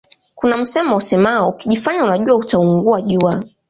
Kuna msemo usemao ukijifanya unajua utaungua jua